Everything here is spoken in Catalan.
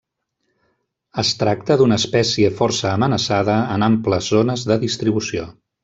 Es tracta d'una espècie força amenaçada en amples zones de distribució.